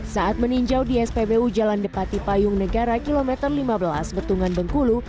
saat meninjau di spbu jalan depati payung negara kilometer lima belas betungan bengkulu